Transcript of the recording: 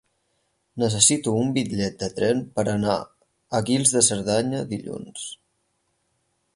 Necessito un bitllet de tren per anar a Guils de Cerdanya dilluns.